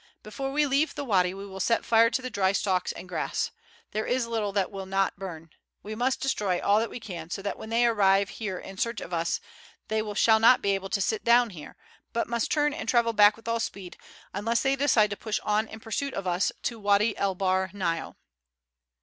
Before we leave the wady we will set fire to the dry stalks and grass. There is little that will not burn. We must destroy all that we can, so that when they arrive here in search of us they shall not be able to sit down here, but must turn and travel back with all speed, unless they decide to push on in pursuit of us to Wady El Bahr Nile."